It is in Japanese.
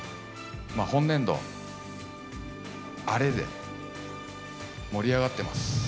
本年度はアレで盛り上がってます。